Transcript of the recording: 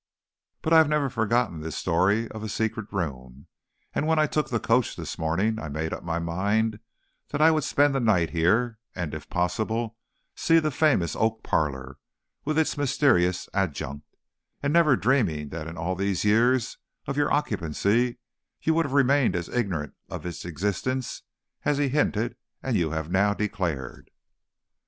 But I have never forgotten this story of a secret room, and when I took the coach this morning I made up my mind that I would spend the night here, and, if possible, see the famous oak parlor, with its mysterious adjunct; never dreaming that in all these years of your occupancy you would have remained as ignorant of its existence as he hinted and you have now declared."